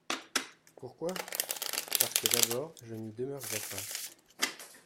Pourquoi ? Parce que, d'abord, je n'y demeurerai pas.